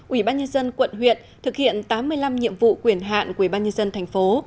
ủy ban nhân dân quận huyện thực hiện tám mươi năm nhiệm vụ quyền hạn của ủy ban nhân dân thành phố